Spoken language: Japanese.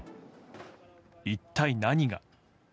一体、何が？